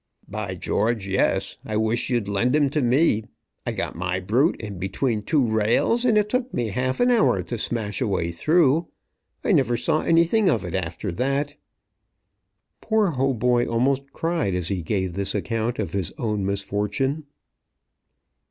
"By George, yes; I wish you'd lend him to me. I got my brute in between two rails, and it took me half an hour to smash a way through. I never saw anything of it after that." Poor Hautboy almost cried as he gave this account of his own misfortune.